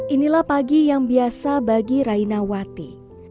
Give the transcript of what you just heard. inilah pagi yang biasa bagi rainawati